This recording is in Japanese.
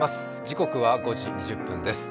時刻は５時２０分です。